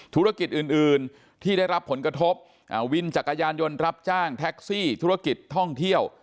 ธุรกิจอื่นที่ได้รับผลกระทบวินจักรยานยนต์รับจ้างแท็กซี่ธุรกิจท่องเที่ยว